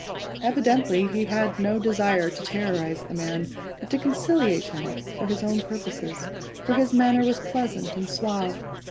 Evidently he had no desire to terrorise the man, but to conciliate him, for his own purposes, for his manner was pleasant and suave.